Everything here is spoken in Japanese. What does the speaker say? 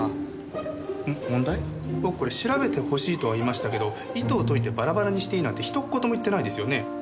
僕これ調べてほしいとは言いましたけど糸を解いてバラバラにしていいなんてひと言も言ってないですよね。